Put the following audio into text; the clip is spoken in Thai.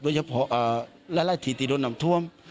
โดยเฉพาะแร่ไล่ทีโดนน้ำท่วม